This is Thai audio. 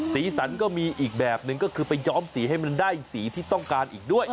สีสันก็มีอีกแบบหนึ่งก็คือไปย้อมสีให้มันได้สีที่ต้องการอีกด้วย